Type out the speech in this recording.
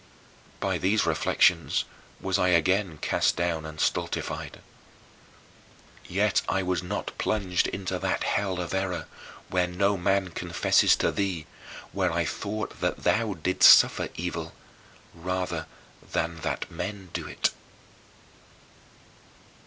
By these reflections was I again cast down and stultified. Yet I was not plunged into that hell of error where no man confesses to thee where I thought that thou didst suffer evil, rather than that men do it.